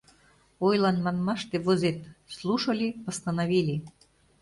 Ойлан манмаште, возет: «слушали», «постановили».